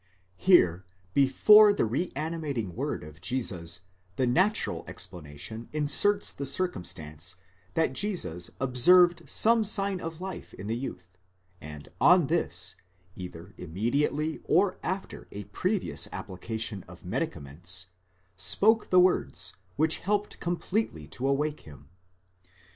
Here, before the reanimating word of Jesus, the natural explanation inserts the circumstance that Jesus observed some sign of life in the youth, and on this, either immediately or after a previous application of medicaments," spoke the words, which helped com pletely to awake him.